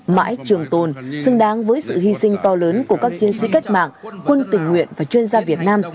mãi trường tồn xứng đáng với sự hy sinh to lớn của các chiến sĩ cách mạng quân tình nguyện và chuyên gia việt nam